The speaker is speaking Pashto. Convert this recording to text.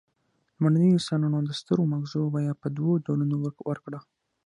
لومړنیو انسانانو د سترو مغزو بیه په دوو ډولونو ورکړه.